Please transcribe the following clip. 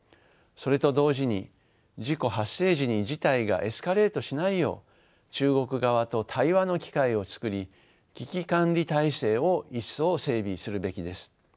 それと同時に事故発生時に事態がエスカレートしないよう中国側と対話の機会を作り危機管理体制を一層整備するべきです。